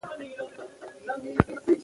مالي نوښتونه باید تشویق شي.